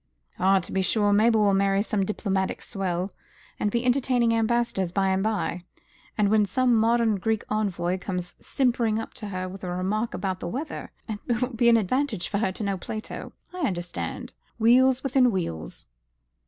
"Ah, to be sure, Mabel will marry some diplomatic swell, and be entertaining ambassadors by and by. And when some modern Greek envoy comes simpering up to her with a remark about the weather, it will be an advantage for her to know Plato. I understand. Wheels within wheels."